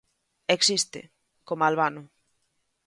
Existe, coma Albano.